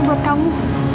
ini buat kamu